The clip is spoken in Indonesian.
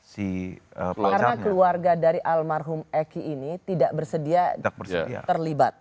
karena keluarga dari almarhum eki ini tidak bersedia terlibat